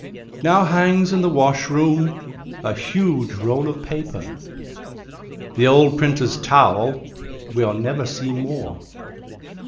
Now hangs in the washroom a huge roll of paper The old printer's towel we'll never see more.